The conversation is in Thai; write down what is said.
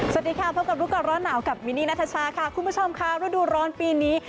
สวัสดีค่ะพบกับรู้ก่อนร้อนหนาวกับมินนี่นัทชาค่ะคุณผู้ชมค่ะฤดูร้อนปีนี้